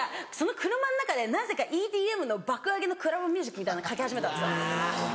その車の中でなぜかＥＤＭの爆上げのクラブミュージックみたいなのかけ始めたんですよ。